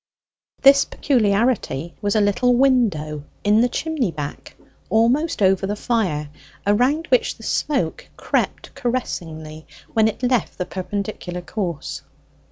This peculiarity was a little window in the chimney back, almost over the fire, around which the smoke crept caressingly when it left the perpendicular course.